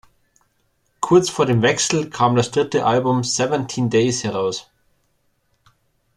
Kurz vor dem Wechsel kam das dritte Album "Seventeen Days" heraus.